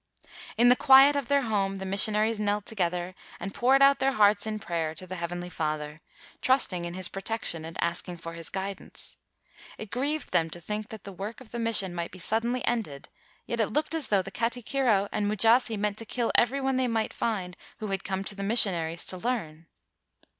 In the quiet of their home, the mission aries knelt together and poured out their hearts in prayer to the Heavenly Father, trusting in his protection and asking for his guidance. It grieved them to think that the work of the mission might be suddenly ended; yet it looked as though the katikiro and Mujasi meant to kill every one they might find who had come to the missionaries to learn.